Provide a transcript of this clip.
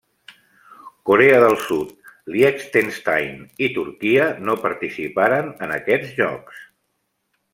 Corea del Sud, Liechtenstein i Turquia no participaren en aquests Jocs.